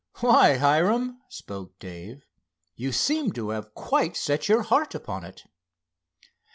"Why, Hiram," spoke Dave, "you seem to have quite set your heart upon it."